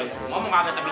cuma ada tempat yang jelas